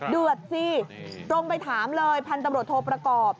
เดือดสิตรงไปถามเลยพันธุ์ตำรวจโทประกอบ